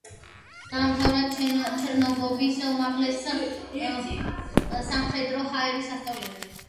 დაამთავრა ჩერნიგოვის უმაღლესი სამხედრო-საჰაერო სასწავლებელი.